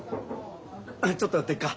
ちょっと寄ってくか。